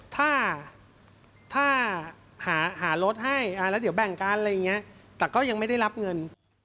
ถ้าหารถให้แล้วเดี๋ยวแบ่งกันอะไรอย่างนี้แต่ก็ยังไม่ได้รับเงิน